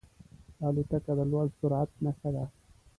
الوتکه د لوړ سرعت نښه ده.